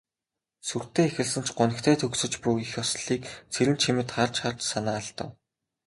Сүртэй эхэлсэн ч гунигтай төгсөж буй их ёслолыг Цэрэнчимэд харж харж санаа алдав.